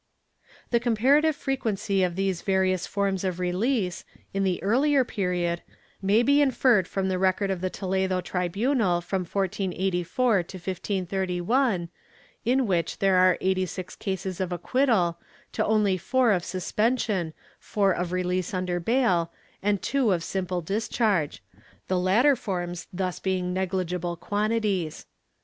^ The comparative frequency of these various forms of release, in the earlier period, may be inferred from the record of the Toledo tribunal from 1484 to 1531, in which there are eighty six cases of acquittal, to only four of suspension, four of release under bail, and two of simple discharge — the latter forms thus being negligible quantities.